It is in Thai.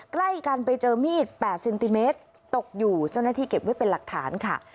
ใกล้กันไปเจอมีด๘เซนติเมตรตกอยู่เจ้าหน้าที่เก็บไว้เป็นหลักฐานค่ะ